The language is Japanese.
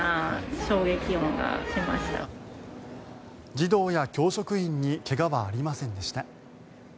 児童や教職員に怪我はありませんでした。